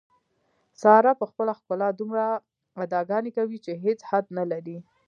ساره په خپله ښکلا دومره اداګانې کوي، چې هېڅ حد نه لري.